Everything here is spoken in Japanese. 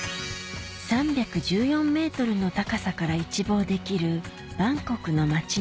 ３１４ｍの高さから一望できるバンコクの街並み